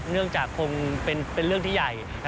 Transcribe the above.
เนื่องจากคงเป็นเรื่องที่ใหญ่